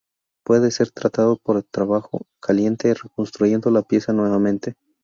Pude ser tratado por trabajo en caliente, reconstruyendo la pieza nuevamente.